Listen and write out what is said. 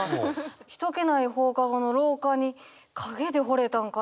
人気ない放課後の廊下に影でほれたんかな？